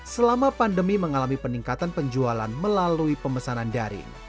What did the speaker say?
selama pandemi mengalami peningkatan penjualan melalui pemesanan daring